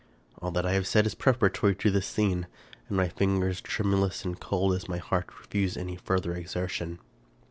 All that I have said is preparatory to this scene, and my fingers, tremulous and cold as my heart, refuse any further exertion.